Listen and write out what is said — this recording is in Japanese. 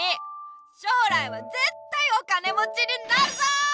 しょうらいはぜったいお金もちになるぞ！